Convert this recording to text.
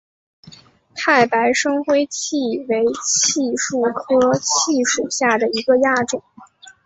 太白深灰槭为槭树科槭属下的一个亚种。